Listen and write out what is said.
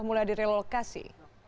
mulai dari lokasi